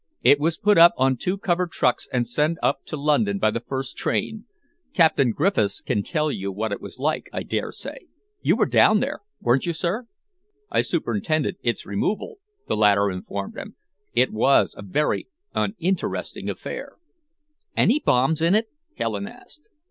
"It was put on two covered trucks and sent up to London by the first train. Captain Griffiths can tell you what it was like, I dare say. You were down there, weren't you, sir?" "I superintended its removal," the latter informed them. "It was a very uninteresting affair." "Any bombs in it?" Helen asked.